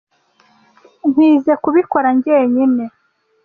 Nkwizoe kubikora njyenyine.